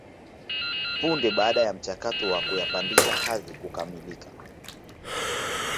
Punde baada ya mchakato wa kuyapandisha hadhi kukamilika